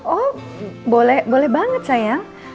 oh boleh boleh banget sayang